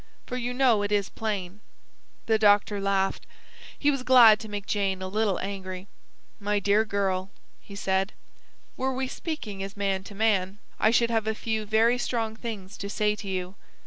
For you know it is plain." The doctor laughed. He was glad to make Jane a little angry. "My dear girl," he said, "were we speaking as man to man, I should have a few very strong things to say to you.